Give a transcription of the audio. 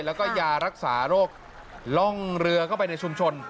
แล้วก็ยารักษาโรคล่องเรือเข้าไปในชุมชน